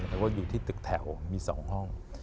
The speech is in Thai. ที่นางสรุปก็ที่มีออกแถวมีสองห้อง